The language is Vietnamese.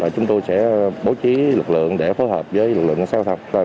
chúng tôi sẽ bố trí lực lượng để phối hợp với lực lượng xã hội tham mưu